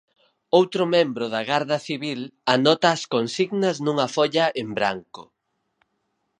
Outro membro da Garda Civil anota as consignas nunha folla en branco.